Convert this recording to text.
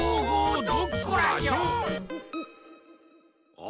あ！